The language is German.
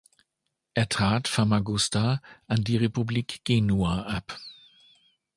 Er trat Famagusta an die Republik Genua ab.